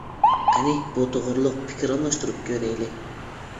قېنى بۇ توغرىلىق پىكىر ئالماشتۇرۇپ كۆرەيلى!